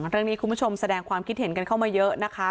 คุณผู้ชมแสดงความคิดเห็นกันเข้ามาเยอะนะคะ